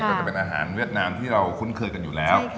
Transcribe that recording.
ก็จะเป็นอาหารเวียดนามที่เราคุ้นเคยกันอยู่แล้ว